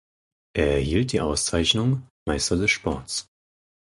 Er erhielt die Auszeichnung „Meister des Sports“.